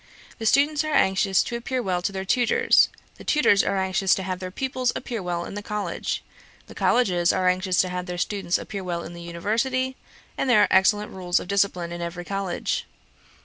The students are anxious to appear well to their tutors; the tutors are anxious to have their pupils appear well in the college; the colleges are anxious to have their students appear well in the University; and there are excellent rules of discipline in every college.